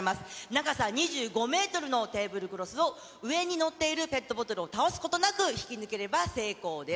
長さ２５メートルのテーブルクロスを、上に載っているペットボトルを倒すことなく、引き抜ければ成功です。